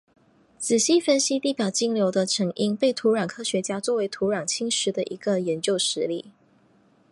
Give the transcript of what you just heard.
仔细分析地表径流的成因被土壤科学家作为土壤侵蚀的一个研究实例。